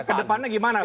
ke depannya gimana